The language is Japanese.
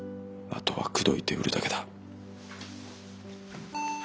あとは口説いて売るだけだ。